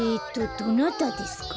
どなたですか？